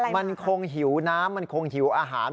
มันคงหิวน้ำมันคงหิวอาหาร